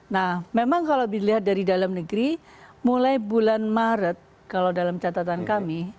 nah memang kalau dilihat dari dalam negeri mulai bulan maret kalau dalam catatan kami